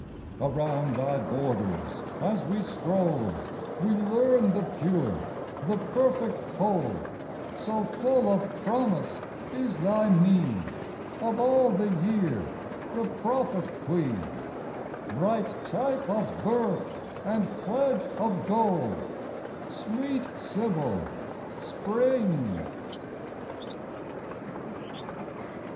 Around thy borders as we stroll, We learn the pure, the perfect whole, So full of promise is thy mien ; Of all the year the prophet queen ; Bright type of birth, and pledge of goal ; Sweet sibyl Spring